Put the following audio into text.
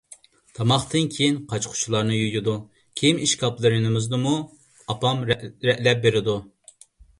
تاماقتىن كېيىن قاچا-قۇچىلارنى يۇيىدۇ. كىيىم ئىشكاپلىرىمىزنىمۇ ئاپام رەتلەپ بېرىدۇ.